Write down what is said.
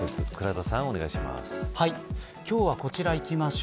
倉田さん、お願いします。